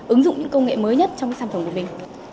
ứng dụng những công nghệ mới nhất trong sản phẩm của mình